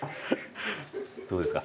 どうですか？